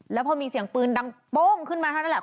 แล้วพอมีเสียงปืนดังโป้งขึ้นมาเท่านั้นแหละ